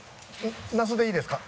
那須でいいですか？